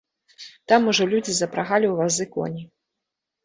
Там ужо людзі запрагалі ў вазы коні.